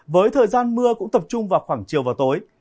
với thời gian mưa cũng tập trung vào khoảng chiều và tối